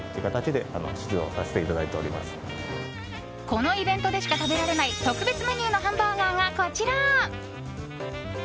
このイベントでしか食べられない、特別メニューのハンバーガーがこちら。